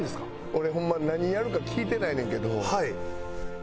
俺ホンマ何やるか聞いてないねんけど。